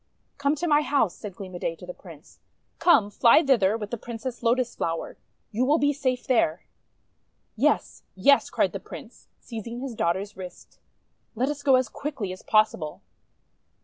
"Come to my house," said Gleam o' Day to the Prince. "Come, fly thither with the Prin cess Lotus Flower. You will be safe there!' 'Yes! Yes!': cried the Prince, seizing his daughter's wrist. "Let us go as quickly as possible."